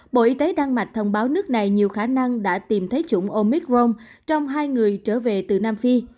bộ y tế đan mạch thông báo nước này nhiều khả năng đã tìm thấy chủng omic rong trong hai người trở về từ nam phi